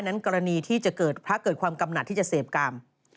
กรณีที่จะเกิดพระเกิดความกำหนัดที่จะเสพกรรม